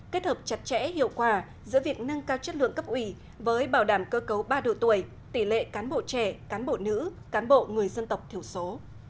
kết hợp chặt chẽ hiệu quả giữa việc nâng cao chất lượng cấp ủy với bảo đảm cơ cấu ba độ tuổi tỷ lệ cán bộ trẻ cán bộ nữ cán bộ người dân tộc thiểu số